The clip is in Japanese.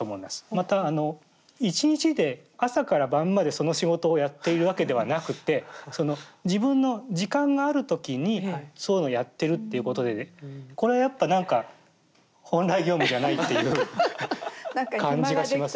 またあの１日で朝から晩までその仕事をやっているわけではなくて自分の時間がある時にそういうのをやってるっていうことでこれやっぱなんか本来業務じゃないっていう感じがします。